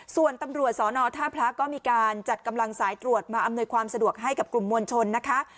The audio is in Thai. ส่วนตำรวจสอนอท่าพระก็มีการจัดกำลังสายตรวจมาอำนวยความสะดวกให้กับกลุ่มมวลชนนะคะ